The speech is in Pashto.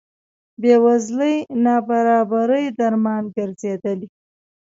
بې وزلۍ نابرابرۍ درمان ګرځېدلي.